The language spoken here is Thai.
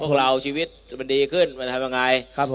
พวกเราชีวิตมันดีขึ้นทำอย่างไร